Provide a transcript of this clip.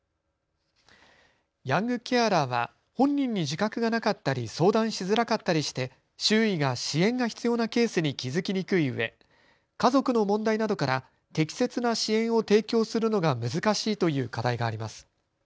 ヤングケアラーは本人に自覚がなかったり、相談しづらかったりして周囲が支援が必要なケースに気付きにくいうえ、家族の問題などから適切な支援を提供するのが難しいという課題があります。